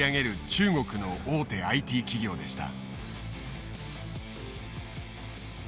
中国の大手ＩＴ企業でした。